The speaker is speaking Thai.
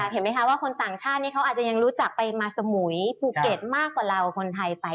เห็นไหมคะว่าคนต่างชาตินี้เขาอาจจะยังรู้จักไปมาสมุยภูเก็ตมากกว่าเราคนไทยไป